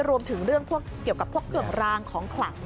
รวมถึงเรื่องพวกเกี่ยวกับพวกเครื่องรางของขลัง